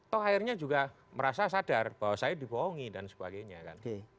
akhirnya juga merasa sadar bahwa saya dibohongi dan sebagainya